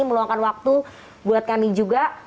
meluangkan waktu buat kami juga